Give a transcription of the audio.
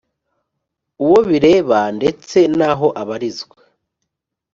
uwo bireba ndetse n aho abarizwa